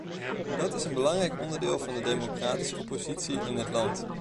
Dat is een belangrijk onderdeel van de democratische oppositie in het land.